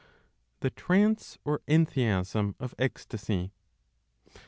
THE TRANCE OR ENTHEASM OF ECSTASY.